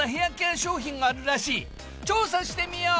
調査してみよう！